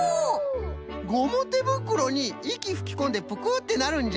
ゴムてぶくろにいきふきこんでプクッてなるんじゃ。